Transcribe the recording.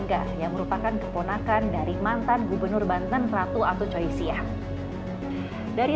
persaingan semakin ketat karena koalisi pdi pdi juga gerindra harus melawan kekuatan partai keadilan sejahtera